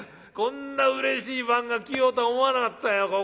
こんなうれしい晩が来ようとは思わなかったよ。